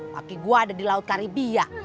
kaki gue ada di laut karibia